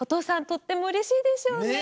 とてもうれしいでしょうね！